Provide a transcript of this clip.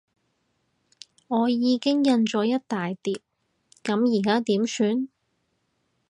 我已經印咗一大疊，噉而家點算？